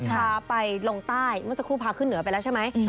พาไปลงใต้เมื่อสักครู่พาขึ้นเหนือไปแล้วใช่ไหม